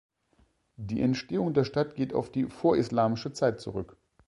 Die Entstehung der Stadt geht auf die vorislamische Zeit zurück.